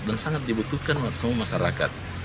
dan sangat dibutuhkan oleh semua masyarakat